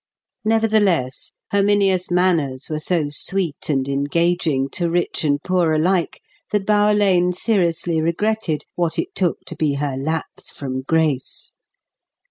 Nevertheless, Herminia's manners were so sweet and engaging, to rich and poor alike, that Bower Lane seriously regretted what it took to be her lapse from grace.